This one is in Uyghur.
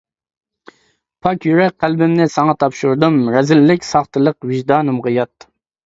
پاك يۈرەك، قەلبىمنى ساڭا تاپشۇردۇم، رەزىللىك، ساختىلىق، ۋىجدانىمغا يات.